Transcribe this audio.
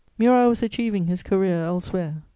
Murat was achieving his career elsewhere.